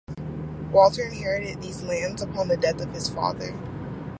Walter inherited these lands upon the death of his father.